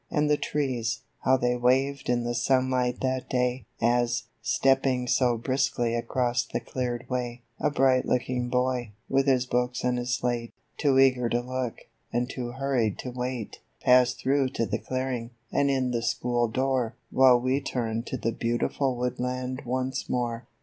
And the trees, how they waved in the sunlight that day, As, stepping so briskly across the cleared way, A bright looking boy, with his books and his slate, Too eager to look, and too hurried to wait, Passed through to the clearing, and in the school door, While we turn to the beautiful woodland once more.